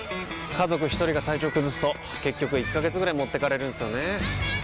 家族一人が体調崩すと結局１ヶ月ぐらい持ってかれるんすよねー。